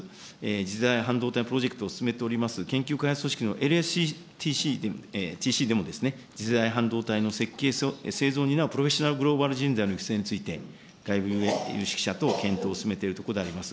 次世代半導体プロジェクトを進めております研究開発組織のＬＳＴＣでも、次世代半導体の設計、製造を担うグローバル、人材の育成について、外部有識者と検討を進めているところであります。